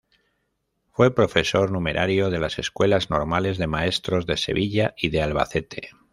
Fue profesor numerario de las Escuelas Normales de Maestros de Sevilla y de Albacete.